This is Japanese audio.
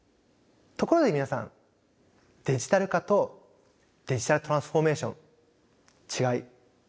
ところで皆さんデジタル化とデジタルトランスフォーメーション違い分かりますか？